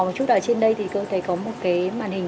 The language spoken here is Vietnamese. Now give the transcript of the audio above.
một chút ở trên đây thì có một cái màn hình